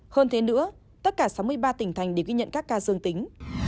hơn thế nữa tất cả sáu mươi ba tỉnh thành đều ghi nhận các ca dương tính